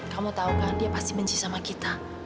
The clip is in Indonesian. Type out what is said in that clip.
kamu tahu kan dia pasti benci sama kita